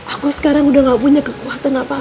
aku sekarang udah gak punya kekuatan apa apa